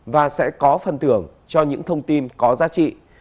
và sẽ có phân tưởng cho những thông tin có giá trị